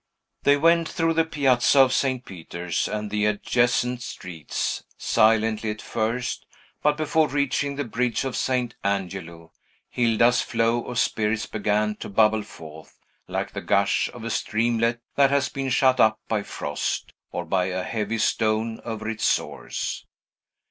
They went through the piazza of St. Peter's and the adjacent streets, silently at first; but, before reaching the bridge of St. Angelo, Hilda's flow of spirits began to bubble forth, like the gush of a streamlet that has been shut up by frost, or by a heavy stone over its source.